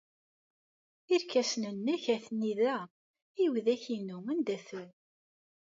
Irkasen-nnek atni da. I widak-inu anda-ten?